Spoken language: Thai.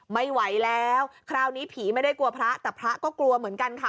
ไม่ไหวแล้วคราวนี้ผีไม่ได้กลัวพระแต่พระก็กลัวเหมือนกันค่ะ